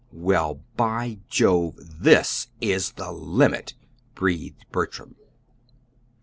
"Well, by Jove! this is the limit!" breathed Bertram.